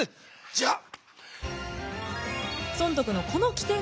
じゃあ。